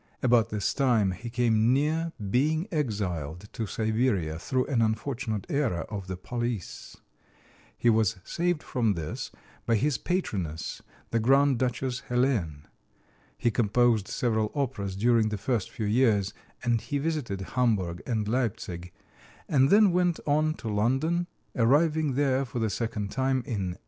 About this time he came near being exiled to Siberia through an unfortunate error of the police. He was saved from this by his patroness, the Grand Duchess Helene. He composed several operas during the next few years; and he visited Hamburg and Leipzig and then went on to London, arriving there for the second time in 1857.